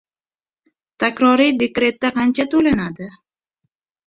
Takroriy «dekretda» qancha to`lanadi?